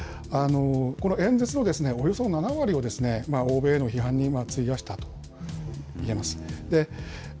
この演説のおよそ７割を欧米への批判に費やしたと言えますね。